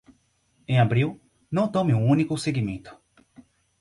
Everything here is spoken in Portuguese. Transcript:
Em abril, não tome um único segmento.